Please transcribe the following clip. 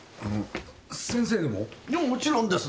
いやもちろんです。